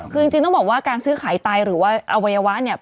คือจริงต้องบอกว่าการซื้อขายไตหรือว่าอวัยวะเนี่ย